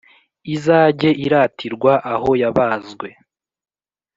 Izajye iratirwa aho yabazwe